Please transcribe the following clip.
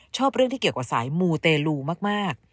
ชอบเรื่องที่เกี่ยวกับสายมูเตลูมาก